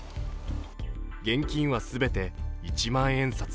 現金は全て一万円札。